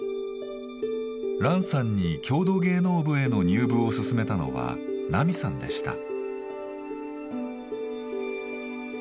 藍さんに郷土芸能部への入部を勧めたのは奈美さんでした。